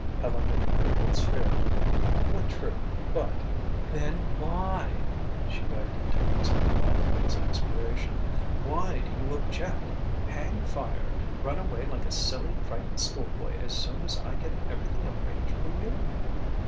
Helena declared with spirit. "Quite true, but " "Then why," she begged in tones of moderate exasperation "why do you object hang fire run away like a silly, frightened schoolboy as soon as I get everything arranged for you?"